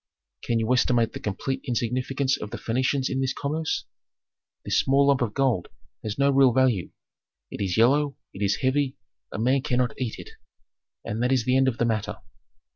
"Can you estimate the complete insignificance of the Phœnicians in this commerce? This small lump of gold has no real value: it is yellow, it is heavy, a man cannot eat it, and that is the end of the matter.